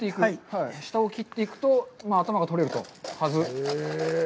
下を切っていくと、頭が取れると。